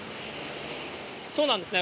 そうなんですね。